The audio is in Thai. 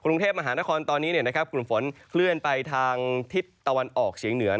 กรุงเทพมหานครตอนนี้กลุ่มฝนเคลื่อนไปทางทิศตะวันออกเฉียงเหนือ